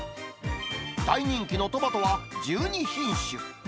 大人気のトマトは１２品種。